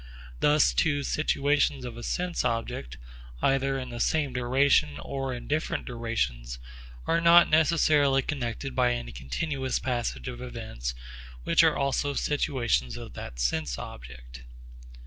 Thus two situations of a sense object, either in the same duration or in different durations, are not necessarily connected by any continuous passage of events which are also situations of that sense object.